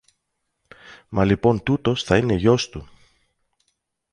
Μα λοιπόν τούτος θα είναι γιος του.